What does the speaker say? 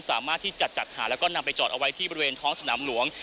สามารถที่จะจัดหาแล้วก็นำไปจอดเอาไว้ที่บริเวณท้องสนามหลวง